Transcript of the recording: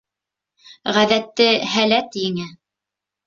Ғәҙәтте һәләт еңә.